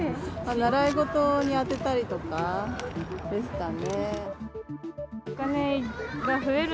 習い事にあてたりとかですかね。